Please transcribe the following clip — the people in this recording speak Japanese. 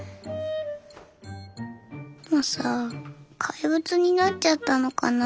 怪物になっちゃったのかな。